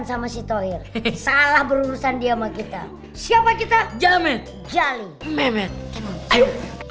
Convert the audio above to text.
sama si tohir salah berurusan dia mah kita siapa kita jamin jali memer